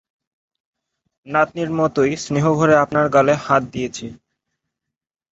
নাতনির মতোইস্নেহভরে আপনার গালে হাত দিয়েছি।